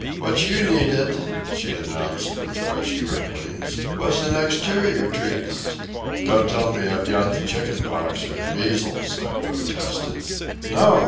"What you needed," she announced, with fresh gurglings, "was an exterior treatment." "Don't tell me I've got the chicken pox or the measles," I protested. "No."